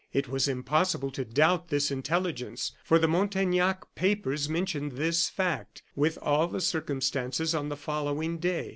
It was impossible to doubt this intelligence, for the Montaignac papers mentioned this fact, with all the circumstances on the following day.